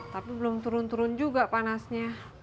tapi belum turun turun juga panasnya